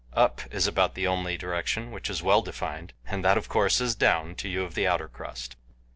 UP is about the only direction which is well defined, and that, of course, is DOWN to you of the outer crust.